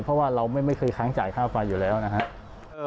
เพราะว่าเราไม่เคยค้างจ่ายค่าไฟอยู่แล้วนะครับ